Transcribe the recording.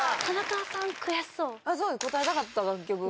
答えたかった楽曲